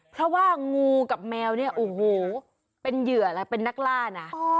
เพราะว่างูกับแมวเนี่ยโอ้โหเป็นเหยื่อแหละเป็นนักล่านะ